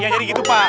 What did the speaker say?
iya jadi gitu pak